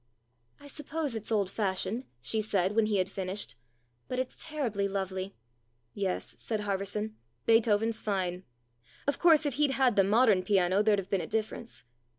" I suppose it's old fashioned," she said, when he had finished, " but it's terribly lovely." "Yes," said Harverson, "Beethoven's fine. Of course, if he'd had the modern piano there'd have been a difference.